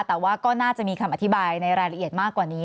แต่ว่าก็น่าจะมีคำอธิบายในรายละเอียดมากกว่านี้